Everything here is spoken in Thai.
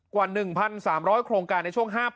กว่า๑๓๐๐โครงการในช่วง๕ปี